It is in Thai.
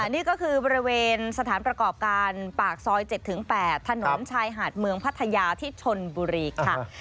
นี่ก็คือบริเวณสถานประกอบการปากซอย๗๘ถนนชายหาดเมืองพัทยาที่ชนบุรีค่ะ